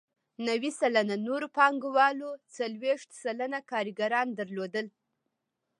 نوي سلنه نورو پانګوالو څلوېښت سلنه کارګران درلودل